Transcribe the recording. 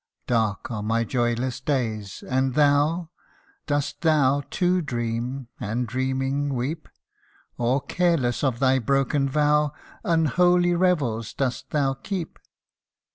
Dark are my joyless days and thou Dost thou too dream, and dreaming weep ? Or, careless of thy broken vow, Unholy revels dost thou keep